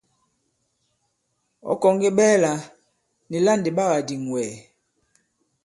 Ɔ̌ kɔ̀ŋge ɓɛɛlà nì la ndì ɓa kà-dìŋ wɛ̀?